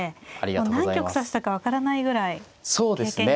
もう何局指したか分からないぐらい経験がある形ですよね。